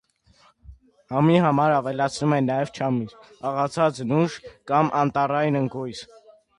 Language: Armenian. Համի համար ավելացնում են նաև չամիչ, աղացած նուշ, կամ անտառային ընկույզ։